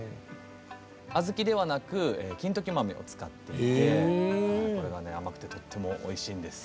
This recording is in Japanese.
小豆ではなく金時豆を使っていてこれがね甘くてとってもおいしいんです。